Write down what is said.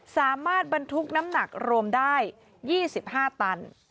สามารถบรรทุกน้ำหนักรวมได้๒๕ตัน